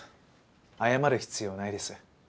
謝る必要ないです。